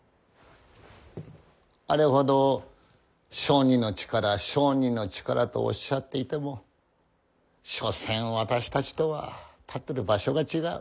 あれほど「商人の力商人の力」とおっしゃっていても所詮私たちとは立ってる場所が違う。